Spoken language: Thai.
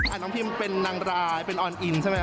น้องพิมเป็นนางรายเป็นออนอินใช่ไหม